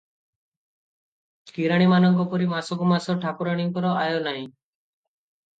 କିରାଣିମାନଙ୍କ ପରି ମାସକୁ ମାସ ଠାକୁରାଣୀଙ୍କର ଆୟ ନାହିଁ ।